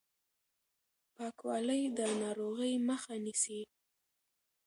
پاکوالی د ناروغۍ مخه نيسي.